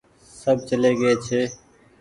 سب چلي گيئي ڇي۔